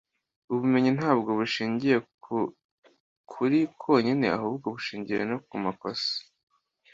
ubumenyi ntabwo bushingiye ku kuri kwonyine, ahubwo bushingiye no ku makosa. - carl jung